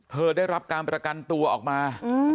ได้รับการประกันตัวออกมา